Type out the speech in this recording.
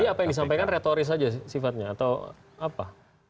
jadi apa yang disampaikan retoris saja sifatnya atau apa